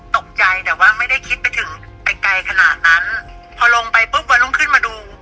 ตกใจแต่ว่าไม่ได้คิดไปถึงไปไกลขนาดนั้นพอลงไปปุ๊บวันรุ่งขึ้นมาดู